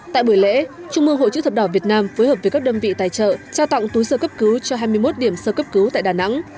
tại buổi lễ trung mương hội chữ thập đỏ việt nam phối hợp với các đơn vị tài trợ trao tặng túi sơ cấp cứu cho hai mươi một điểm sơ cấp cứu tại đà nẵng